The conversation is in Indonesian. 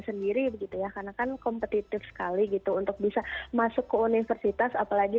sendiri begitu ya karena kan kompetitif sekali gitu untuk bisa masuk ke universitas apalagi